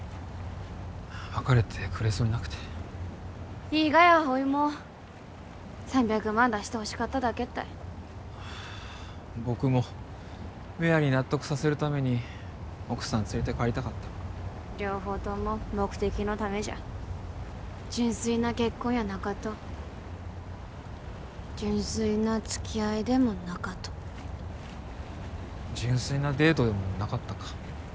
別れてくれそうになくていいがよおいも３００万出してほしかっただけったいはあ僕もメアリー納得させるために奥さん連れて帰りたかった両方とも目的のためじゃ純粋な結婚やなかと純粋なつきあいでもなかと純粋なデートでもなかったか